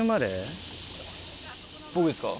僕ですか？